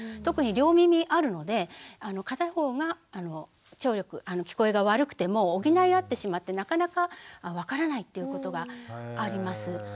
特に両耳あるので片方が聴力聞こえが悪くても補い合ってしまってなかなか分からないっていうことがあります。